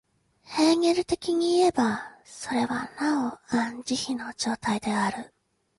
ヘーゲル的にいえば、それはなおアン・ジヒの状態である。